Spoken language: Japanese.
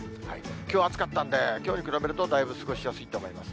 きょう暑かったんで、きょうに比べるとだいぶ過ごしやすいと思います。